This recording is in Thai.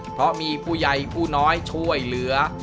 เพราะมีผู้ใหญ่ผู้น้อยช่วยเหลือ